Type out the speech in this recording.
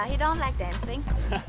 he don't like dancing